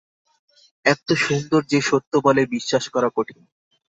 এত্ত সুন্দর যে সত্য বলে বিশ্বাস করা কঠিন।